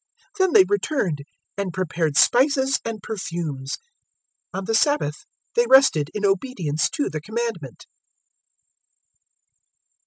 023:056 Then they returned, and prepared spices and perfumes. On the Sabbath they rested in obedience to the Commandment.